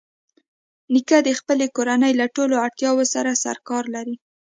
نیکه د خپلې کورنۍ له ټولو اړتیاوو سره سرکار لري.